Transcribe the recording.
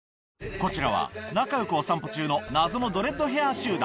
こちらは、仲よくお散歩中の謎のドレッドヘア集団。